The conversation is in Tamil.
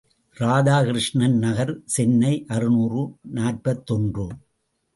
இராதாகிருஷ்ணன் நகர், சென்னை அறுநூறு நாற்பத்தொன்று.